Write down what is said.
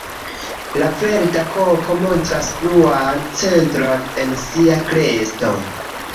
La Verda koko montras bluan centron en sia kresto.